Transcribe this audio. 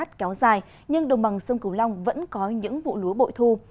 gắt kéo dài nhưng đồng bằng sơn cùng long vẫn có những vụ lúa bội thu